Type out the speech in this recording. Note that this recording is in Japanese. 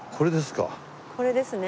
これですか？